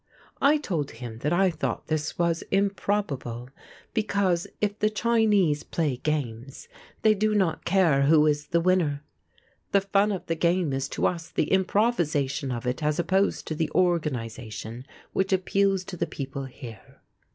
I told him that I thought this was improbable, because if the Chinese play games, they do not care who is the winner; the fun of the game is to us the improvisation of it as opposed to the organisation which appeals to the people here.